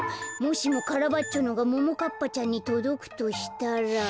もしもカラバッチョのがももかっぱちゃんにとどくとしたら。